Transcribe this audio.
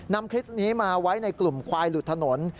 นำคลิปนี้มาไว้ในกลุ่มควายหลุดถนน